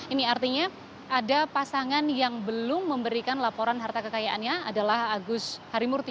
ini artinya ada pasangan yang belum memberikan laporan harta kekayaannya adalah agus harimurti